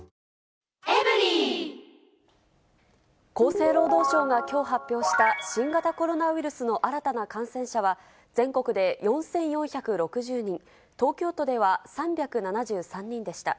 厚生労働省がきょう発表した新型コロナウイルスの新たな感染者は、全国で４４６０人、東京都では３７３人でした。